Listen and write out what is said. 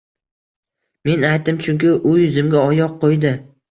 Men aytdim, chunki u yuzimga oyoq qoʻydi.